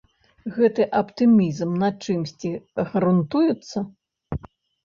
Гэты аптымізм на чымсьці грунтуецца?